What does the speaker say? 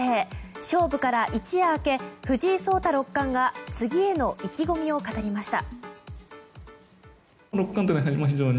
勝負から一夜明け藤井聡太六冠が次への意気込みを語りました。